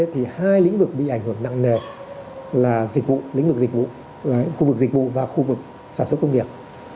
thì hai lĩnh vực bị ảnh hưởng nặng nề là dịch vụ lĩnh vực dịch vụ khu vực dịch vụ và khu vực sản xuất công nghiệp